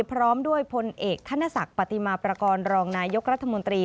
พร้อมด้วยพลเอกธนศักดิ์ปฏิมาประกอบรองนายกรัฐมนตรี